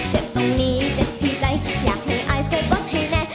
เจ็บตรงนี้เจ็บที่ใดอยากให้อายใส่ก๊อตให้แน่